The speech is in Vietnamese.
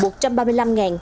một trăm ba mươi năm tỷ đồng